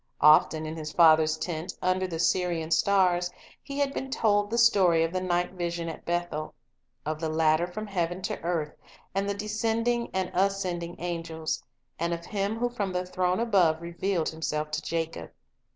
Often in his father's tent, under the Syrian stars, he had been told the story of the night vision at Bethel, of the ladder from heaven to earth, and the descending and ascending angels, and of Him who from the throne above revealed Himself to Jacob.